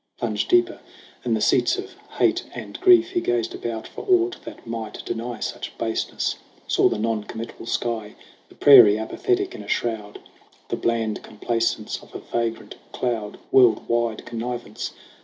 Plunged deeper than the seats of hate and grief, He gazed about for aught that might deny Such baseness : saw the non committal sky, The prairie apathetic in a shroud, The bland complacence of a vagrant cloud World wide connivance